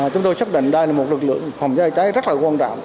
chúng tôi xác định đây là một lực lượng phòng cháy trái rất quan trọng